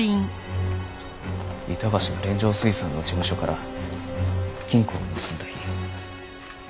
板橋が連城水産の事務所から金庫を盗んだ日。